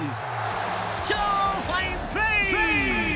超ファインプレー。